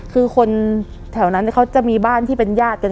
คือคนแถวนั้นเขาจะมีบ้านที่เป็นญาติกัน